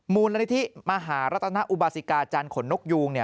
มูลนิธิมหารัตนอุบาสิกาจันทร์ขนนกยูง